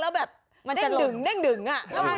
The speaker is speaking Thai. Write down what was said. แล้วแบบเด้งดึง